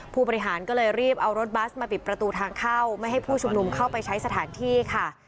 ผู้บริหารก็เลยรีบเอารถบัสมาปิดประตูทางเข้าไม่ให้ผู้ชุมนุมเข้าไปใช้สถานที่ค่ะ